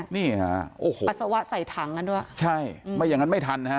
นี่ฮะโอ้โหปัสสาวะใส่ถังกันด้วยใช่ไม่อย่างนั้นไม่ทันนะฮะ